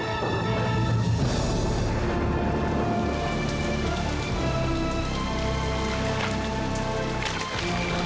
ke member nexus